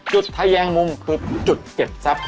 ทะแยงมุมคือจุดเก็บทรัพย